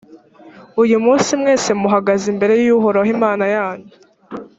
uyu munsi mwese muhagaze imbere y’uhoraho imana yanyu: